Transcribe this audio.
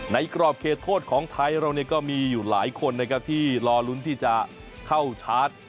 กรอบเขตโทษของไทยเราเนี่ยก็มีอยู่หลายคนนะครับที่รอลุ้นที่จะเข้าชาร์จ